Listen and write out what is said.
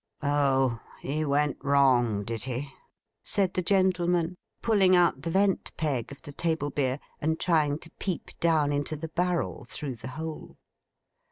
'Oh! he went wrong, did he?' said the gentleman, pulling out the vent peg of the table beer, and trying to peep down into the barrel through the hole.